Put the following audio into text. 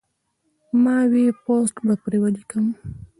ما وې پوسټ به پرې وليکم